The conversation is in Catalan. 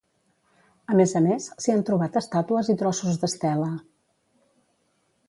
A més a més s'hi han trobat estàtues i trossos d'estela.